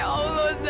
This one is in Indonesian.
masya allah zaira